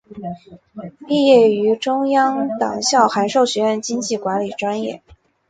毕业于中央党校函授学院经济管理专业。